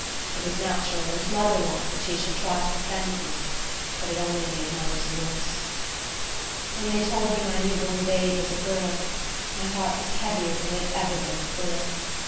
It was natural and motherlike that she should try to defend me; but it only made matters worse. When they told me my new born babe was a girl, my heart was heavier than it had ever been before.